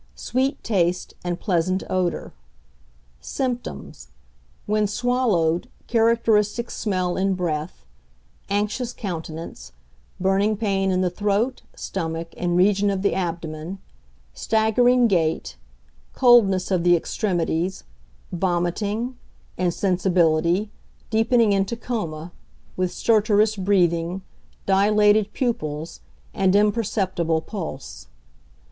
Sweet taste and pleasant odour. Symptoms. When swallowed, characteristic smell in breath, anxious countenance, burning pain in the throat, stomach, and region of the abdomen, staggering gait, coldness of the extremities, vomiting, insensibility, deepening into coma, with stertorous breathing, dilated pupils, and imperceptible pulse.